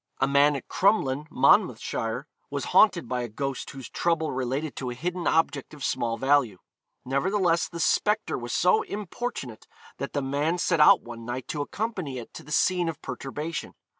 A man at Crumlyn, Monmouthshire, was haunted by a ghost whose trouble related to a hidden object of small value. Nevertheless the spectre was so importunate that the man set out one night to accompany it to the scene of perturbation.